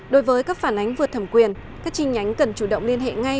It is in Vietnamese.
đối với các phản ánh vượt thẩm quyền các chi nhánh cần chủ động liên hệ ngay